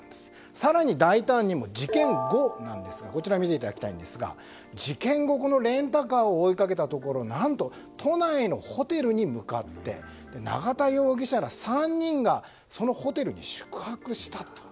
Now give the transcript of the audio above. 更に、大胆にも事件後なんですがこのレンタカーを追いかけたところ何と、都内のホテルに向かって永田容疑者ら３人がそのホテルに宿泊したと。